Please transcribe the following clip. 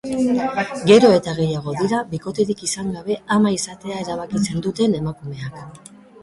Gero eta gehiago dira bikoterik izan gabe ama izatea erabakitzen duten emakumeak.